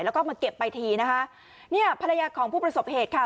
แล้วก็มาเก็บไปทีนะคะเนี่ยภรรยาของผู้ประสบเหตุค่ะ